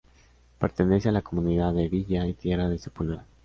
Pertenece a la Comunidad de Villa y Tierra de Sepúlveda.